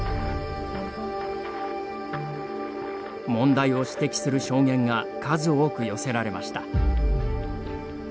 問題を指摘する証言が数多く寄せられました。